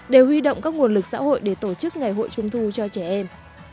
đều huy động các nguồn lực xã hội để tổ chức ngày hội trung thu cho trẻ em